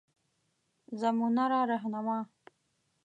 زمونره رهنما